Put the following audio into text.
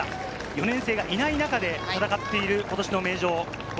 ４年生がいない中で戦っていることしの名城。